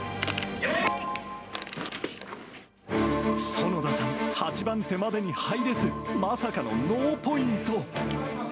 園田さん、８番手までに入れず、まさかのノーポイント。